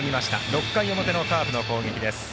６回表のカープの攻撃です。